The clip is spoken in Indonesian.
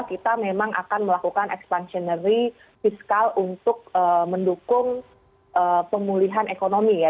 kita memang akan melakukan expansionary fiskal untuk mendukung pemulihan ekonomi ya